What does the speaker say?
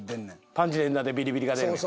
パンチ連打でビリビリが出んのや。